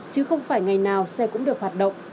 chứ không phải ngày nào xe cũng được hoạt động